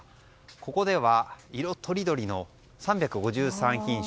ここでは色とりどりの３５０品種